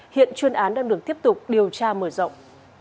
hiện chuyên án đang được tiếp tục điều tra mở rộng